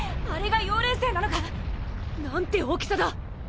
あれが妖霊星なのか！？なんて大きさだ！